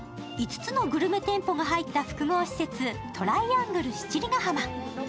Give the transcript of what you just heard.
５つのグルメ店舗が入った複合施設、トライアングル七里ヶ浜。